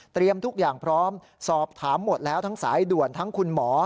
ทุกอย่างพร้อมสอบถามหมดแล้วทั้งสายด่วนทั้งคุณหมอ